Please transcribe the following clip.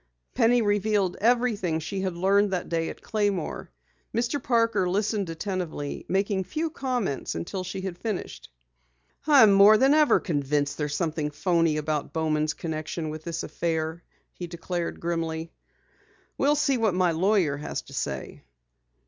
Penny revealed everything she had learned that day at Claymore. Mr. Parker listened attentively, making few comments until she had finished. "I am more than ever convinced there is something phoney about Bowman's connection with this affair," he declared grimly. "We'll see what my lawyer has to say."